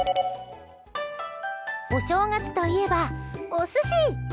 お正月といえば、お寿司！